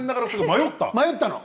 迷ったの。